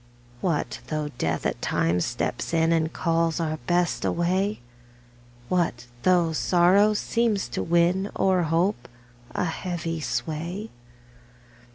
What though Death at times steps in, And calls our Best away? What though sorrow seems to win, O'er hope, a heavy sway?